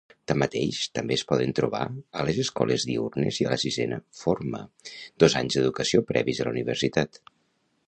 Tanmateix, també és poden trobar a les escoles diürnes i a la sisena forma (dos anys d'educació previs a la universitat).